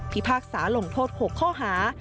พากษาลงโทษ๖ข้อหา